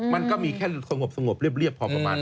มันก็มีแค่สงบเรียบ